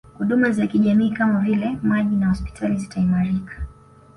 Huduna za kijamii kama vile maji na hospitali zitaimarika